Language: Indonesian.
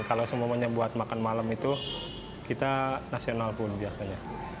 kalau semuanya buat makan malam itu kita nasional pun biasanya